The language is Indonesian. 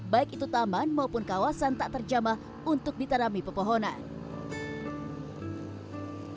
baik itu taman maupun kawasan tak terjama untuk menjaga kondisi dari rth dan lahan yang sudah ada untuk tetap memiliki fungsi dan manfaat serta estetika